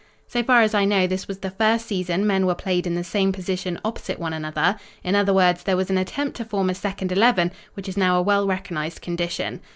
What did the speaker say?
So far as I know this was the first season men were played in the same position opposite one another. In other words, there was an attempt to form a second eleven which is now a well recognized condition.